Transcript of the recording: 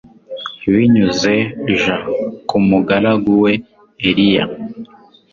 binyuze j ku mugaragu we eliya